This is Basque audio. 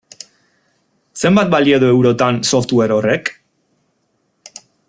Zenbat balio du, eurotan, software horrek?